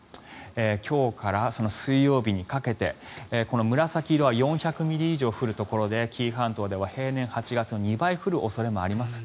今日から水曜日にかけて紫色は４００ミリ以上降るところで紀伊半島では平年８月の２倍降る恐れもあります。